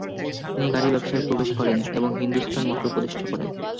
তিনি গাড়ির ব্যবসায়ে প্রবেশ করেন এবং হিন্দুস্তান মোটর প্রতিষ্ঠা করেন।